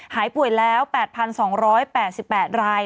หายป่วยแล้ว๘๒๘๘ราย